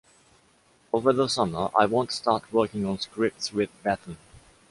Over the summer I want to start working on scripts with Bethan.